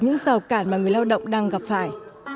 những rào cản mà người lao động đang gặp phải